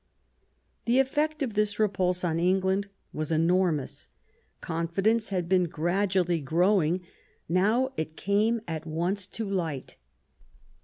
The effect of this repulse on England was enor mous. Confidence had been gradually growing ; now it came at once to light.